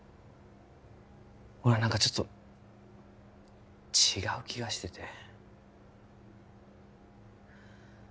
俺は何かちょっと違う気がしてて